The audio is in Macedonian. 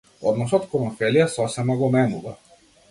Односот кон Офелија сосема го менува.